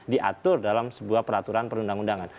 diatur dalam sebuah peraturan perundang undangan